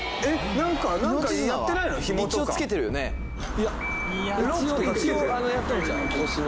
何か何かやってないの？